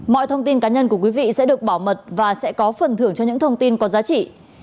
mọi thông tin cá nhân của quý vị sẽ được bảo mật và sẽ có phần thưởng cho những thông tin có giá trị